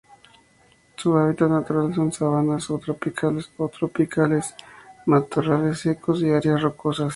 Su hábitat natural son: sabanas, subtropicales o tropicales matorrales secos y áreas rocosas.